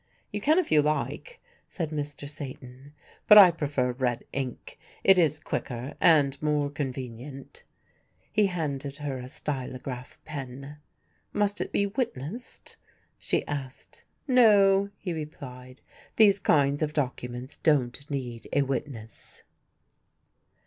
"You can if you like," said Mr. Satan, "but I prefer red ink; it is quicker and more convenient." He handed her a stylograph pen. "Must it be witnessed?" she asked. "No," he replied, "these kind of documents don't need a witness."